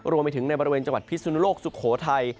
รวมไปถึงในบริเวณจังหวัดพิสุนโลกสุโขทัย